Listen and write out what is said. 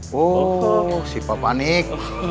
woh si papa nick